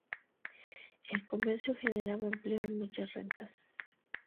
El comercio generaba empleo y muchas rentas.